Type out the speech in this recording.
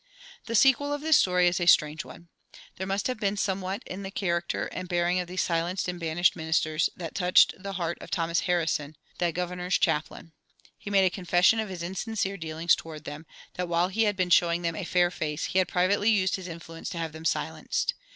The sequel of this story is a strange one. There must have been somewhat in the character and bearing of these silenced and banished ministers that touched the heart of Thomas Harrison, the governor's chaplain. He made a confession of his insincere dealings toward them: that while he had been showing them "a fair face" he had privately used his influence to have them silenced.